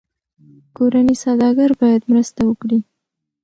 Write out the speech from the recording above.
کورني سوداګر باید مرسته وکړي.